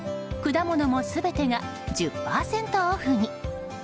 果物も全てが１０％オフに。